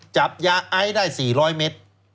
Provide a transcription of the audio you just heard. จับยาไอซ์ได้๔๐๐เมตร